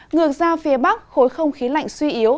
ngược ra phía bắc khối không khí lạnh suy yếu